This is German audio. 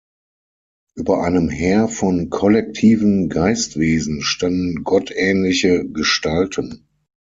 Über einem Heer von kollektiven Geistwesen standen gottähnliche „Gestalten“.